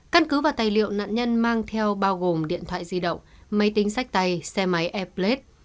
căn cứ và tài liệu nạn nhân mang theo bao gồm điện thoại di động máy tính sách tay xe máy air plat